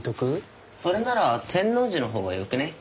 それなら天王寺のほうがよくね？